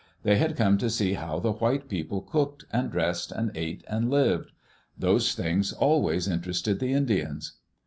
They had come to see how the white people cooked and dressed and ate and lived. Those things always interested the Indians.